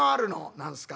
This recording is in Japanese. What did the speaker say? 『何すか？』。